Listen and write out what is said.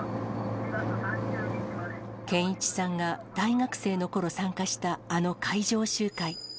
健一さんが大学生のころ参加した、あの海上集会。